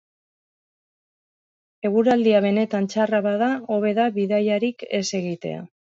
Eguraldia benetan txarra bada, hobe da bidaiarik ez egitea.